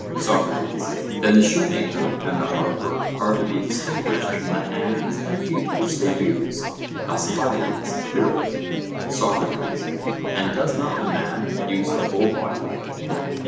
SOCRATES: Then the shoemaker and the harper are to be distinguished from the hands and feet which they use? ALCIBIADES: Clearly. SOCRATES: And does not a man use the whole body?